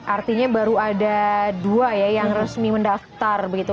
artinya baru ada dua ya yang resmi mendaftar begitu